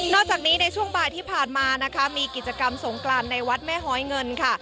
จากนี้ในช่วงบ่ายที่ผ่านมานะคะมีกิจกรรมสงกรานในวัดแม่หอยเงินค่ะ